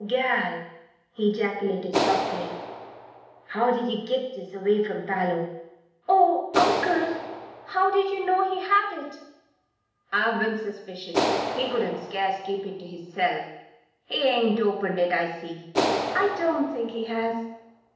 "Gal!" he ejaculated, softly, "how'd ye git this away from Parloe?" "Oh, Uncle! how did you know he had it?" "I've been suspicious. He couldn't scarce keep it to hisself. He ain't opened it, I see." "I don't think he has."